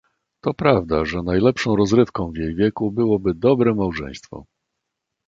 "To prawda, że najlepszą rozrywką w jej wieku byłoby dobre małżeństwo."